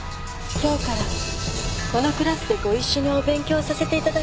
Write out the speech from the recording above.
今日からこのクラスでご一緒にお勉強させていただくわ。